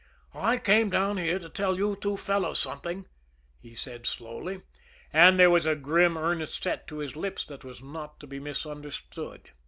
"I came down here to tell you two fellows something," he said slowly, and there was a grim, earnest set to his lips that was not to be misunderstood.